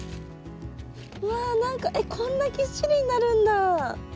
うわ何かえっこんなぎっしりになるんだ！